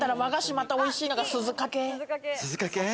またおいしいのが鈴懸。